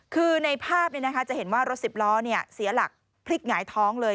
คือในภาพจะเห็นว่ารถสิบล้อเสียหลักพลิกหงายท้องเลย